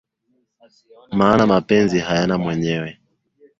Maana mapenzi hayana mwenyewe